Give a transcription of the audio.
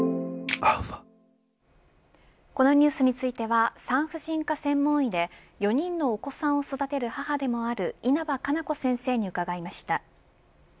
このニュースについては産婦人科専門医で４人のお子さんを育てる母でもある稲葉可奈子先生に伺いました。